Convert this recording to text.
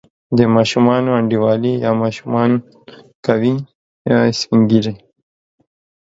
د ماشومانو انډیوالي یا ماشومان کوي، یا سپین ږیري.